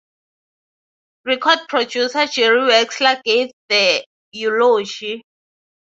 Record producer Jerry Wexler gave the eulogy.